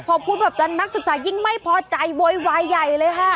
พอพูดแบบนั้นนักศึกษายิ่งไม่พอใจโวยวายใหญ่เลยค่ะ